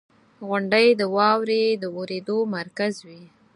• غونډۍ د واورې د اورېدو مرکز وي.